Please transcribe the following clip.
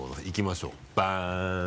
いきましょうバン。